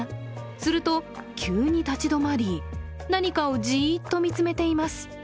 すると、急に立ち止まり何かをじーっと見つめています。